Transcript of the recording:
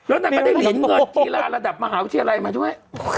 แล้วนางก็ได้เหรียญเงินกีฬาระดับมหาวิทยาลัยมาด้วย